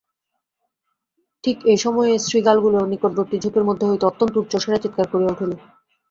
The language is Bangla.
ঠিক এই সময়ে শৃগালগুলা নিকটবর্তী ঝোপের মধ্য হইতে অত্যন্ত উচ্চৈঃস্বরে চিৎকার করিয়া উঠিল।